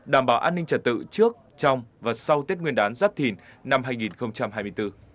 đảm bảo an ninh trật tự trước trong và sau tết nguyên đán giáp thìn năm hai nghìn hai mươi bốn